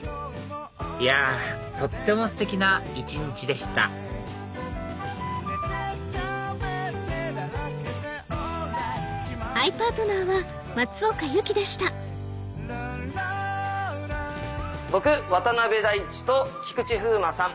いやとってもステキな一日でした僕渡辺大知と菊池風磨さん